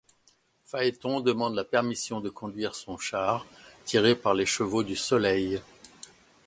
Phaéton demande la permission de conduire son char, tiré par les chevaux du soleil.